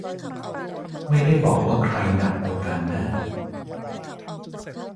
ไม่ได้บอกว่าใครหนักกว่ากันนะ